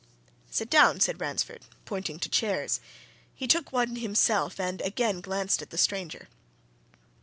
"Sit down," said Ransford, pointing to chairs. He took one himself and again glanced at the stranger.